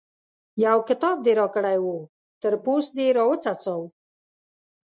يو کتاب دې راکړی وو؛ تر پوست دې راوڅڅاوو.